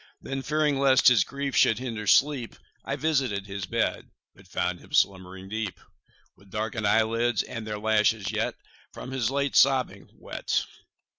Then, fearing lest his grief should hinder sleep, I visited his bed, But found him slumbering deep, With darken'd eyelids, and their lashes yet 10 From his late sobbing wet.